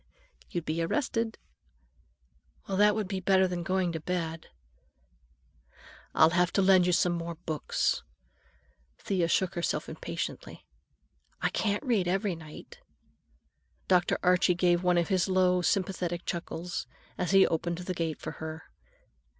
"You'd be arrested." "Well, that would be better than going to bed." "I'll have to lend you some more books." Thea shook herself impatiently. "I can't read every night." Dr. Archie gave one of his low, sympathetic chuckles as he opened the gate for her.